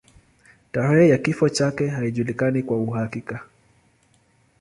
Tarehe ya kifo chake haijulikani kwa uhakika.